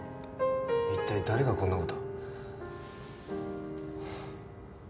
一体誰がこんな事。